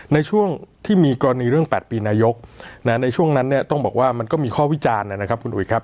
ในช่วงที่มีกรณีเรื่อง๘ปีนายกในช่วงนั้นเนี่ยต้องบอกว่ามันก็มีข้อวิจารณ์นะครับคุณอุ๋ยครับ